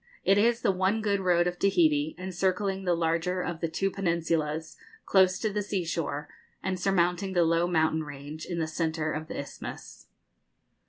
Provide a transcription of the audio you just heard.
It is the one good road of Tahiti, encircling the larger of the two peninsulas close to the sea shore, and surmounting the low mountain range in the centre of the isthmus.